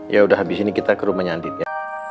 yaudah habis ini kita ke rumahnya andin ya